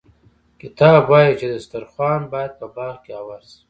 کتاب وايي چې دسترخوان باید په باغ کې اوار شي.